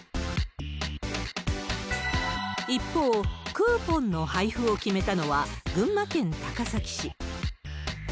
一方、クーポンの配付を決めたのは、群馬県高崎市。